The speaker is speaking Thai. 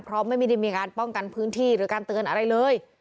เพราะไม่ได้มีการป้องกันพื้นที่หรือการเตือนอะไรเลย